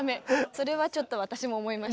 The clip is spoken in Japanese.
それはちょっと私も思います。